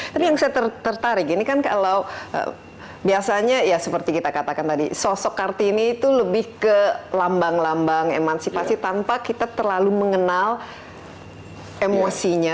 tapi yang saya tertarik ini kan kalau biasanya ya seperti kita katakan tadi sosok kartini itu lebih ke lambang lambang emansipasi tanpa kita terlalu mengenal emosinya